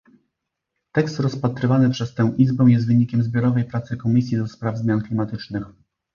Tekst rozpatrywany przez tę Izbę jest wynikiem zbiorowej pracy Komisji do spraw zmian klimatycznych